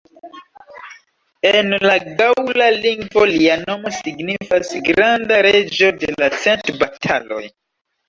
En la gaŭla lingvo lia nomo signifas "granda reĝo de la cent bataloj".